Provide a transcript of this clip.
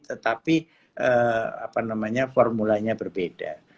tetapi formulanya berbeda